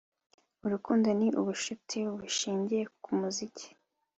“urukundo ni ubucuti bushingiye ku muziki.”